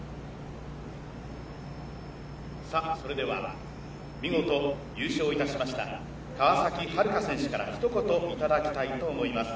それでは、見事優勝いたしました川崎春花選手から一言いただきたいと思います。